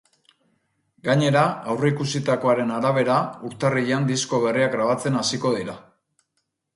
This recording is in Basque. Gainera, aurreikusitakoaren arabera, urtarrilean disko berria grabatzen hasiko dira.